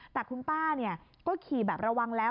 แต่คุณป้าก็ขี่แบบระวังแล้ว